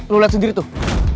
lo liat sendiri tuh